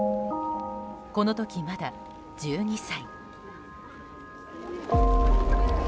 この時まだ、１２歳。